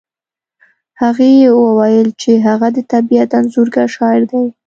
هغې وویل چې هغه د طبیعت انځورګر شاعر دی